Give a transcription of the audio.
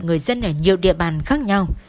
người dân ở nhiều địa bàn khác nhau